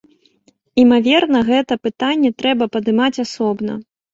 Імаверна, гэта пытанне трэба падымаць асобна.